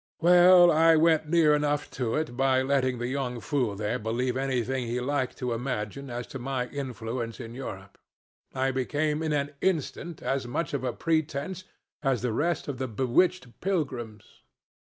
Well, I went near enough to it by letting the young fool there believe anything he liked to imagine as to my influence in Europe. I became in an instant as much of a pretense as the rest of the bewitched pilgrims.